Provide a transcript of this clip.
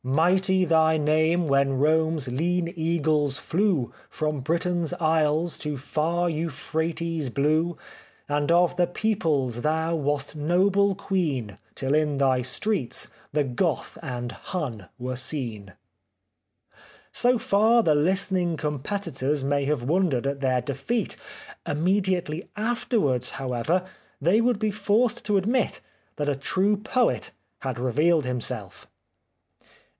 Mighty thy name when Rome's lean eagles flew From Britain's isles to far Euphrates blue ; And of the peoples thou wast noble queen, Till in thy streets the Goth and Hun were seen." So far the listening competitors may have wondered at their defeat. Immediately after wards, however, they would be forced to admit that a true poet had revealed himself.